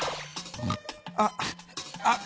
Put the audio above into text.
あっあっ。